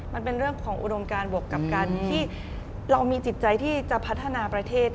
มันเป็นเรื่องของอุดมการบวกกับการที่เรามีจิตใจที่จะพัฒนาประเทศ